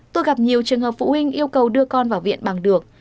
tôi gặp nhiều trường hợp phụ huynh yêu cầu đưa con vào viện bằng được